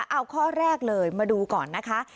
เอาข้อแรกเลยมาดูก่อนนะคะ